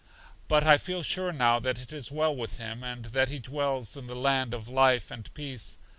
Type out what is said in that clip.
But I feel sure now that it is well with him, and that he dwells in the land of life and peace.